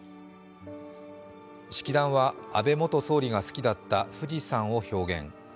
式壇は安倍元総理が好きだった富士山を表現。